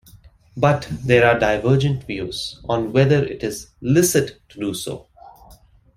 But, there are divergent views on whether it is licit to do so.